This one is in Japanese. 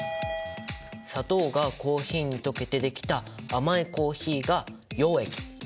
砂糖がコーヒーに溶けてできた甘いコーヒーが溶液。